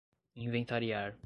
inventariar